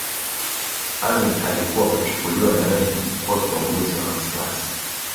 Amin alikuwa kachukuliwa na wengi kuwa kiongozi wa wasiwasi